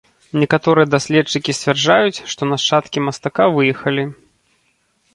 Некаторыя даследчыкі сцвярджаюць, што нашчадкі мастака выехалі.